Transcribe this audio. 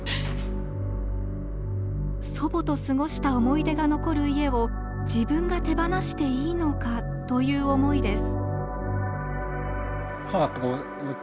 祖母と過ごした思い出が残る家を自分が手放していいのかという思いです。